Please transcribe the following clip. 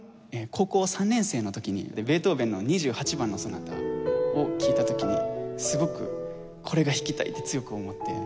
高校３年生の時にベートーヴェンの２８番の『ソナタ』を聴いた時にすごく「これが弾きたい！」って強く思って。